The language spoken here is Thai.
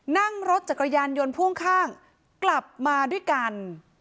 นั่งรถจักรยานยนต์พ่วงข้างกลับมาด้วยกัน